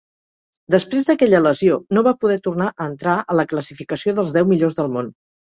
Després d'aquella lesió, no va poder tornar a entrar a la classificació dels deu millors del món.